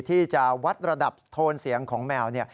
ที่จะวัดระดับโทนเสียงของแมว